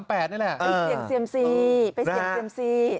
ไปเซียมเซียมซี